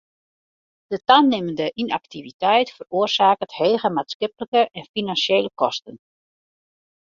De tanimmende ynaktiviteit feroarsaket hege maatskiplike en finansjele kosten.